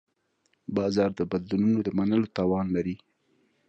بازار د بدلونونو د منلو توان لري.